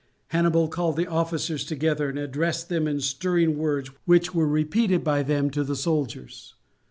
Hannibal called the officers together and addressed them in stirring words, which were repeated by them to the soldiers.